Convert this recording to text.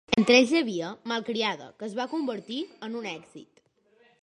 Entre ells hi havia "Malcriada", que es va convertir en un èxit.